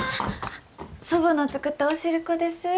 祖母の作ったお汁粉です。